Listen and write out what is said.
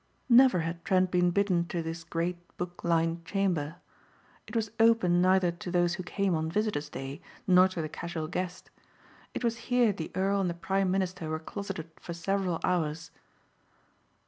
Never had Trent been bidden to this great book lined chamber. It was open neither to those who came on visitors' day nor to the casual guest. It was here the earl and the prime minister were closeted for several hours.